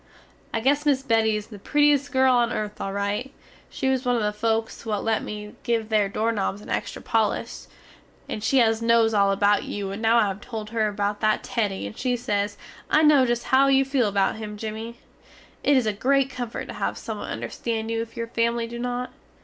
I guess miss Betty is the prettiest girl on earth al rite. She was one of the folks what let me give there dorenobs a extra polish, and she nos all about you and now I have tole her about that Teddy, and she sez, I no just how you feel about him Jimmy. It is a grate comfort to have someone understand you if your family do not.